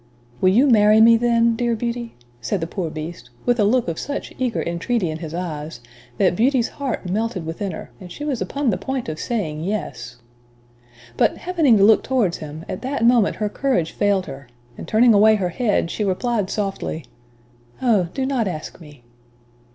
"Will you marry me, then, dear Beauty?" said the poor Beast, with a look of such eager entreaty in his eyes, that Beauty's heart melted within her, and she was upon the point of saying "Yes!" [Illustration: Beauty takes her Fathers place.] But happening to look towards him, at that moment her courage failed her, and, turning away her head, she replied softly, "Oh! do not ask me."